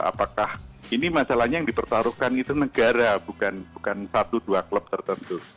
apakah ini masalahnya yang dipertaruhkan itu negara bukan satu dua klub tertentu